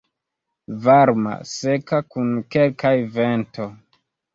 Varma, seka kun kelkaj vento.